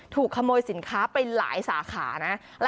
ถูกขโมยสินค้าไปหลายสาขานะ